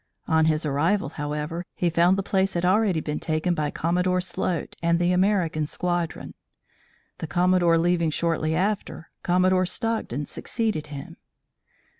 On his arrival, however, he found the place had already been taken by Commodore Sloat and the American squadron. The Commodore leaving shortly after, Commodore Stockton succeeded him.